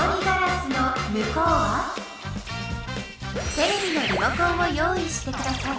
テレビのリモコンを用いしてください。